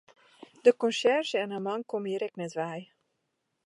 De konsjerzje en har man komme hjir ek net wei.